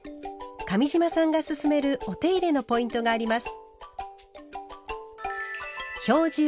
上島さんがすすめるお手入れのポイントがあります。